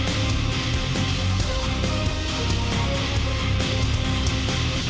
eh eh nausnya bapak otot